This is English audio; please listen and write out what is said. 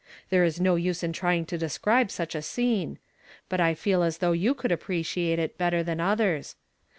There is no use in trying to describe such a scene ; but I feel as though you could appreciate it better than others.